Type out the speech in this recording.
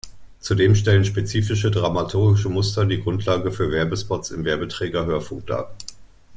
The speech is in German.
Zudem stellen spezifische dramaturgische Muster die Grundlage für Werbespots im Werbeträger Hörfunk dar.